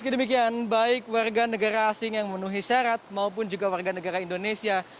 demikian baik warga negara asing yang memenuhi syarat maupun juga warga negara indonesia